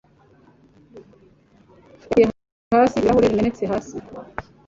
yakuye hasi ibirahure bimenetse hasi.